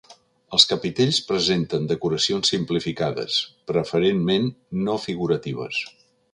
Els capitells presenten decoracions simplificades, preferentment no figuratives.